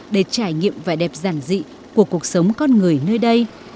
để trải nghiệm vẻ đẹp giản dị của cuộc sống con người nơi đây